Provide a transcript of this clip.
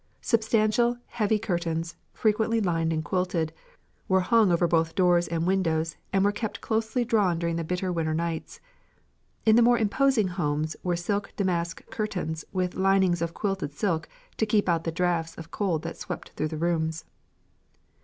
Substantial, heavy curtains, frequently lined and quilted, were hung over both doors and windows and were kept closely drawn during the bitter winter nights. In the more imposing homes were silk damask curtains with linings of quilted silk to keep out the drafts of cold that swept through the rooms.